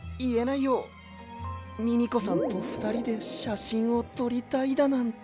ミミコさんとふたりでしゃしんをとりたいだなんて。